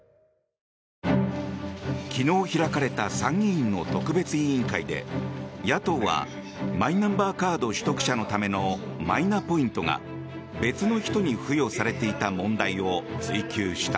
昨日開かれた参議院の特別委員会で野党はマイナンバーカード取得者のためのマイナポイントが別の人に付与されていた問題を追及した。